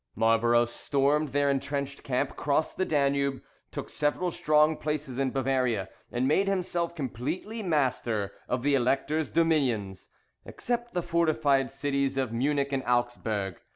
Marlborough stormed their entrenched camp, crossed the Danube, took several strong places in Bavaria, and made himself completely master of the Elector's dominions, except the fortified cities of Munich and Augsburg.